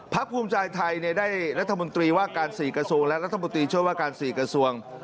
ภูมิใจไทยได้รัฐมนตรีว่าการ๔กระทรวงและรัฐมนตรีช่วยว่าการ๔กระทรวง